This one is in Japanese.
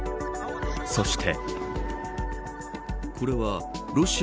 そして。